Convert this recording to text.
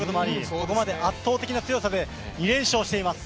ここまで圧倒的な強さで２連勝しています。